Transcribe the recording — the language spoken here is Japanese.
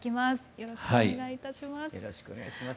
よろしくお願いします。